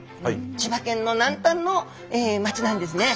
千葉県の南端の町なんですね。